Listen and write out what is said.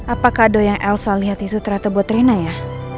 apa kado yang elsa lihat itu ternyata buat rina ya